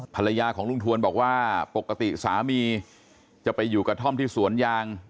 ภรรยาของลุงทวนบอกว่าปกติสามีจะไปอยู่กระท่อมที่สวนยาง